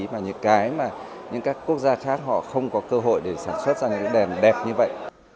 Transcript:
mà những cái mà những các quốc gia khác họ không có cơ hội để sản xuất ra những đèn đẹp như vậy